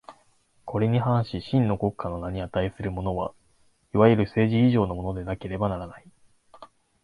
これに反し真の国家の名に価するものは、いわゆる政治以上のものでなければならない。